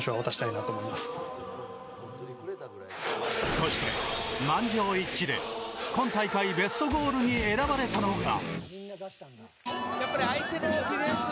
そして、満場一致で今大会ベストゴールに選ばれたのが。